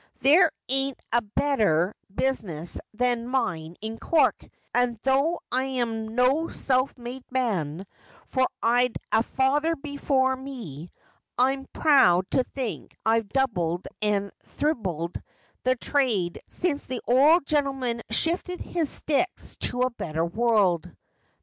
There ain't a better business than mine in Cork, and though I'm no self made man, for I'd a father before me, I'm proud to think I've doubled and thribled the trade since the ould gintleman shifted his sticks to a better world.